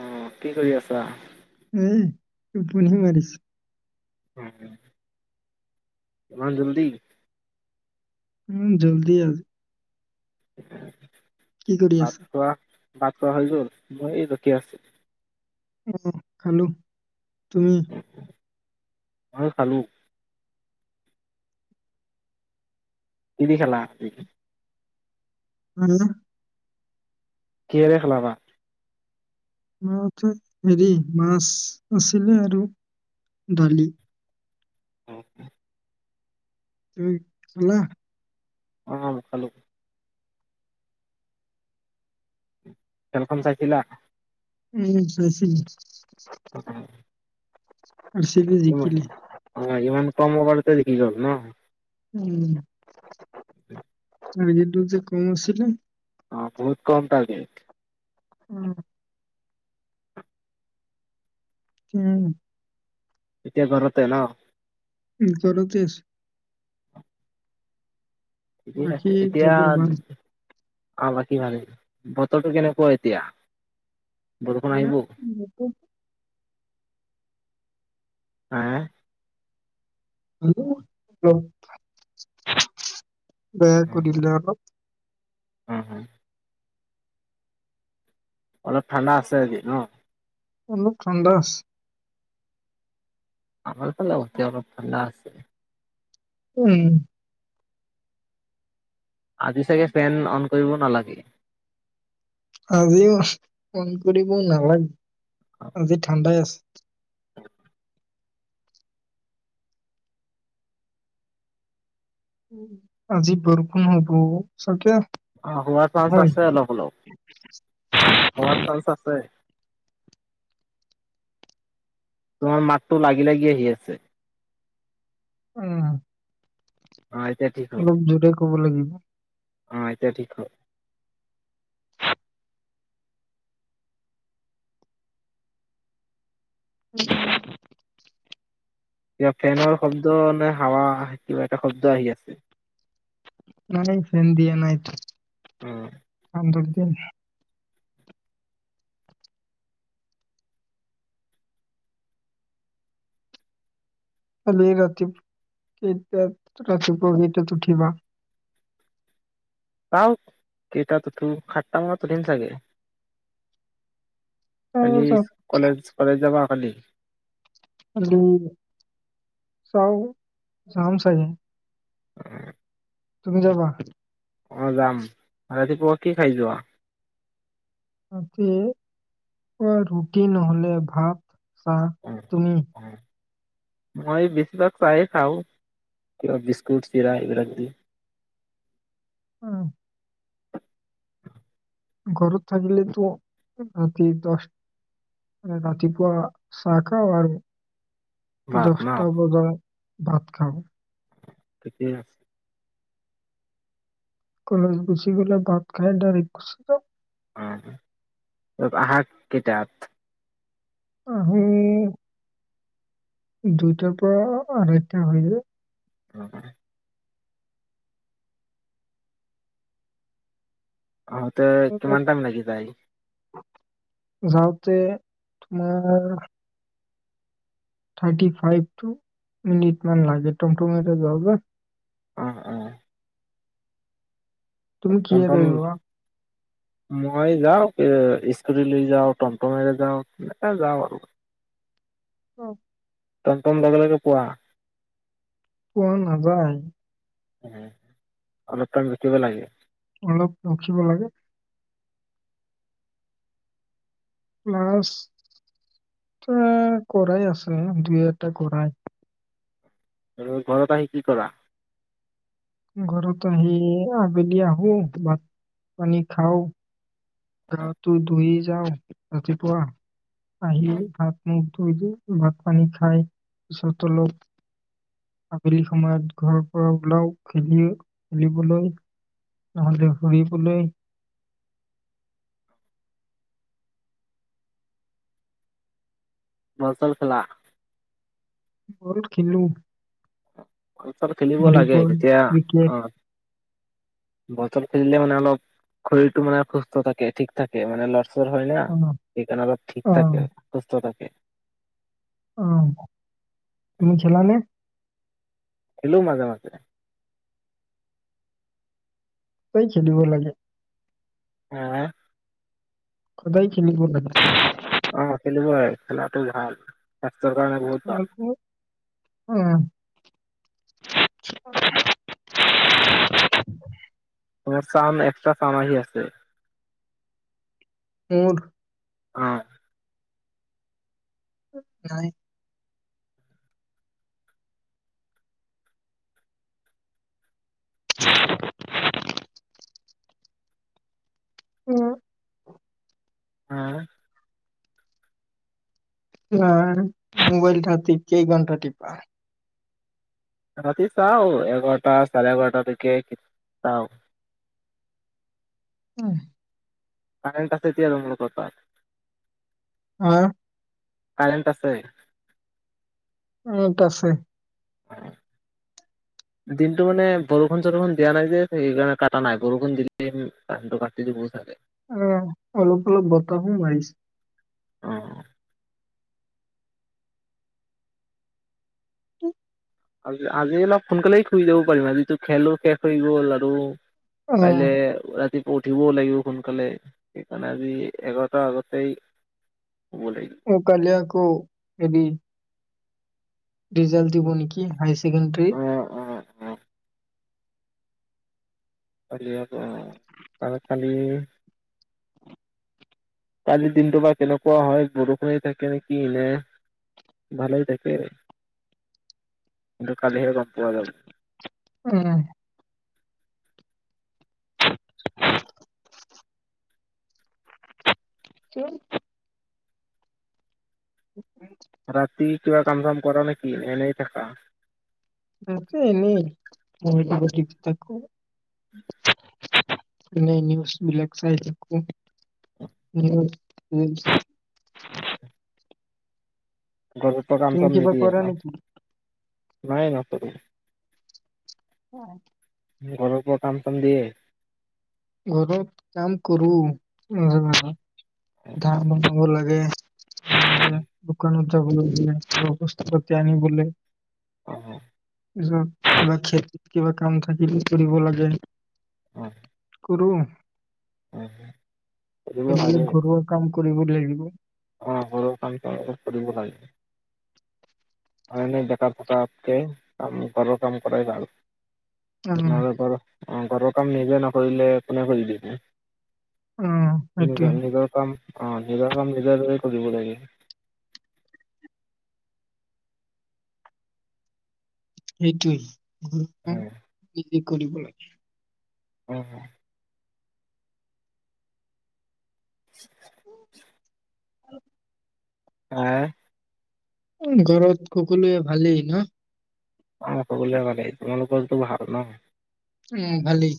অ, কি কৰি আছা? উম টোপনি মাৰিছ। ইমান জল্দি। উম, জল্দি আজি। কি কৰি [inaudible] ভাত আছা খোৱা ভাত খোৱা হৈ গ'ল, মই এই ৰকীয়া আছোঁ। অহ, খালো। তুমি? মই খালোঁ। কিদি খালা? উম। কিহেৰে খালা ভাত? ভাত হেৰি, মাছ আছিলে আৰু দালি। তুই খালা? অ, খালো। খেলখন চাইছিলা? উম, চাইছিল। [unintelligible] চি বি ইমা জিকিলে অভাৰ, ইমান কম অভাৰতে জিকি গ'ল। অ উম উ [unintelligible] ম যেি দু যে কমছিলো [unintelligible] অঁ বহুত কম তাৰ্গেত উম উম এতিয়া ঘৰুতেে ন উম কৰতেছ বাকী আছে এতিয়া খবৰ ভাল আহ বাকী ভাল বতৰটো কেনেকুৱা এতিয়া বৰষুণ এয়া আহিব? [unintelligible] হ হ [unintelligible] বেয়াকৈ দি দিলে আও ন হ হ [unintelligible] অলপ ঠাণ্ডা আছে আজি ন অলোক ঠাণ্ডা আছে আমাৰ ফালে এতিয়া অলপ ঠাণ্ডা আছে উম আজি চাগে ফেন অন কৰিব নালাগে আজিও ফোন কৰিবও নালাগে আজি ঠাণ্ডাই আছে [unintelligible] আজি বৰষুণ হ'ব চাগে অ হোৱাৰ চান্স হয় আছে অলপ অলপ, হোৱাৰ চান্স আছে তোমাৰ মাতটো লাগি লাগি আহি আছে উম অ', এতিয়া ঠিক হ'ল, অলপ জোৰে ক'ব লাগিব অ এতিয়া ঠিক হ উ [unintelligible] কিবা ফেনৰ শব্দ নে হাৱা কিবা এটা শব্দ আহি আছে নাই ফেন দিয়া য নাইতো উম দুৰ দিন কালি ৰাতিপুৱ কেইটাত ৰাতিপুৱা কেইটাত উঠিবা কাওত কেইটাত উঠু, খাাট্টা মানত উঠিম চাগে কালি তাৰপাছত কলেজ কলেজ যাবা কালি? চাও যাম চাইে উ [unintelligible] তুমি যাবা অ যাম ৰাতিপুৱা কি খাই যোৱা তাতে, পোৱা ৰুটি নহলে ভাত চ অ', তুমি অ'। মই বেছিভাগ ছাহেই খাওঁ কিবা বিস্কুট চিৰা এইবিলাক দিওঁ উম ঘৰত থাকিলেতো ৰাতি দছ ৰাতিপুৱা চাহ খাওঁ আৰু ভাত ন? দহটা বজাত ভাত খাওঁ ঠিকেই কলেজ গুচি গলা ভাত খাই ডাৰেক গুছি য অ আঁহা কেইটাত আহোঁ দুইটাৰ পৰা আৰু এটা হয় যে [unintelligible] আহোঁতে আমি কিমান তাত টাইম লাগি যায় যাওঁতে তোমাৰ থাৰ্টি ফাই টো মিনিট মান লাগে টমটম তে যোৱাৰ বাবে উ উ টমটম [unintelligible] মই যাওঁ স্কুটি লৈ যাওঁ, টমটমেৰে যাওঁ তেনেকে যাওঁ আৰু অ টমটম লগে লগে পোৱা? পোৱা নাযায় উ অলপ টাইম্ ৰখিব লাগে অলপ ৰখিব লাগে ক্লাছ এ কৰাই আছে দুই এটা কৰাই ত ঘৰত আহি কি কৰা? ঘৰত আহি আবেলি আহো, ভাত পানী খাওঁ গা টো ধুই যাওঁ ৰাতিপুৱা আহিয়ে হাত মুখ ভাত পানী খাই, পিছত অলপ আবেলি সময়ত ঘৰৰ পৰা ওলাও খেলি খেলিবলৈ, নহলে ঘুৰিবলৈ বল চল খেলা? বল খেলো বল চল খেলিব লাগে ভলীবল তেতিয়া ক্ৰিকেট আহ বটল খেলিলে মানে অলপ শৰীৰটো মানে সুস্থ থাকে ঠিক থাকে মানে ল চ হয় না অ' সেইকাৰনে অলপ ঠিক থাকে অ' সুস্থ থাকে [unintelligible] অ' তুমি খেলানে খেলু মাজে মাজে [unintelligible] হাঁ সদায় খিনিব লাগে অ খেলিব লাগে, খেলাটো ভাল চৰকাৰে বহুত ভাল উহ উ চাম এক্ট্ৰা চামাই আছে উহ ও নাই হেলৌ হো অ নাই মোবাইল থাতিত কেই ঘণ্টা টিপা ৰাতি চাওঁ এঘাৰটা চাৰে এঘাৰটালৈকে চাওঁ উহ কাৰেনট আছে এতিয়া লুন লব পায় আৰ কাৰেণ্ট আছে উহ আছে দিনটো মানে বৰষুণ চৰষুণ দিয়া নাই যে সেইকাৰণে কটা নাই বৰষুণ দিলে কাৰেণ্ট কাটি দি ছাৰে উম অলপ অলপ বতাহো মাৰিছে উহ আজি আজি অলপ সোনকালেই শুই যাব পাৰিম আজি টো খেলো শেষ হৈ গ'ল আৰু অ' কাইলৈ উৱাকিক উঠিবও লাগিব সোনকালে সেইকাৰণে আজি এঘাৰতাৰ আগতেই শুব লাগিব উ কালিয়া ক' এদি ৰিজাল্ট দিব নেকি হায়ছেকেণ্ডাৰী অ অ অ আলিয় প চালত পানী কালিৰ দিনটো বা কেনেকুৱা হয় বৰষুণেই থাকে নেকি এনে ভালেই থাকে কিন্তু কালিহে গম পোৱা যাব উহ চোন উহ এ এটা পি কিবা কাম চাম কৰানে কি এনেই থাকা আছো এনেই কমিটি বিটি থাকো এনেই নিউজ বিলাক চাই থাকো নিউজ নিউ গৰমেন্তৰ তুমি কামাচাম কিবা নিদিয়ে কৰা ন নেকি? নাই নকৰোঁ অ আই ঘৰৰ ওপৰ কাম চাম দিয়ে ঘৰত কাম কৰো নিজে নেচাও ধান বনাব লাগে অ এতিয়া দোকান যাবলগীয়া অৱস্থা পাতি আনিবলৈ অ'হ যাম কিব বা খেতিত কিবা কাম থাকিলে কৰিব লাগে উহ অৰোহ কৰিব [inaudible] এবোৰ লাগে। ঘৰুৱা কাম কৰিব লাগিব অ গৰম পানী অকণ কৰিব লাগিব। হয় ন বোত থকা আপক ক ঘৰৰ কাম কৰাই ভাল উম নাৰ ব অ ঘৰৰ কাম নিজে নকৰিলে কোনে কৰি দিব উম সেইটোৱে নিজৰ নিজৰ কাম অ নিজৰ কাম নিজে কৰিব লাগে সেইটোয়ে। অ [unintelligible] কৰিব লাগে উম [inaudible] হ [inaudible] আহ ঘৰত সকলোৱে ভালেই ন অ সকলোৰে ভালে তোমালোকৰতো ভাল ন উম ভালেই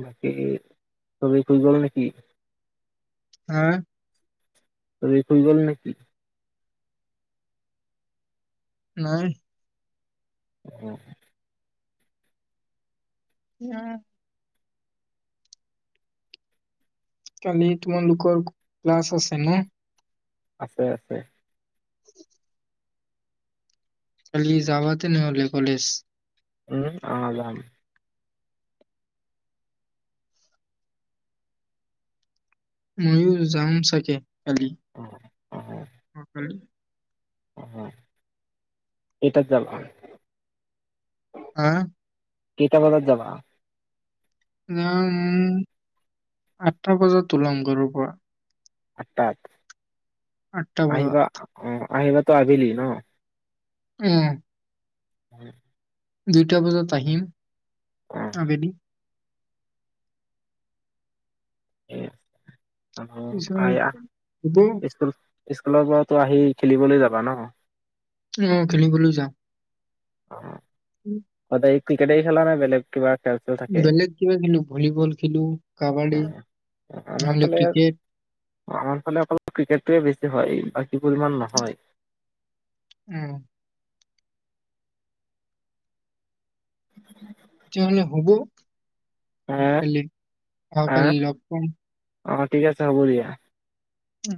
বাকী ছবি হৈ গ'ল নেকি হা ত এই ফুটবল নেকি নাই উম উম। কালি তোমালোকৰ ক্লাছ আছে ন আছে আছে [inaudible] কালি যাবা তেনেহলে কলেজ। উম অ যাম। ময়ো যাম চাগে খালি অ অ অ খালি। অ এটাত যাবা। আহ কেইটা বজাত যাবা না আঠটা বজাত ওলাম ঘৰৰ পৰা আঠটাত আঠটা বজাত আহিবা অ আহিবাটো আবেলি ন! উম উম দুইটা বজাত আহিম ঠিক আছে। আবেলি উম কিছয় হব স্কুল স্কুলৰ পৰাতো আহি খেলিবলৈ যাবা ন অ খেলিবলৈ যাওঁ অ সদায় ক্ৰিকেটেই খেলা নাই বেলেগ কিবা খেল চেল থাকে? বেলেগ কিবা খেলো ভলীবল খেলো অ কাবাডী আমাৰ নহলে ফালে ক্ৰিকেট আমাৰ ফালে অকল ক্ৰিকেটটোৱে বেছি হয় বাকী পৰিমাণ নহয় উম [inaudible] তেওঁ হবো আহ কালি আহ অহাকালি লগ পাম অ ঠিক আছে হ'ব দিয়া উম